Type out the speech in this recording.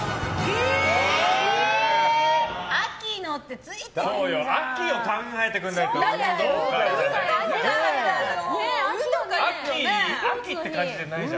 秋のってついてるじゃん！